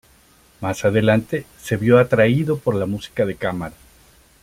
Más adelante se vio atraído por la música de cámara.